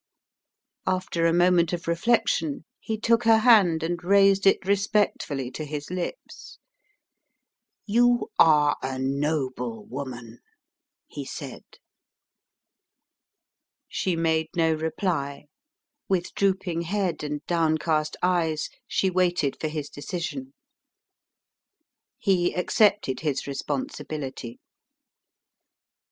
After a moment of reflection he took her hand and raised it respectfully to his lips. "You are a noble woman!" he said. She made no reply. With drooping head and downcast eyes she waited for his decision. He accepted his responsibility.